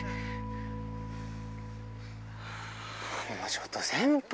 ちょっと先輩！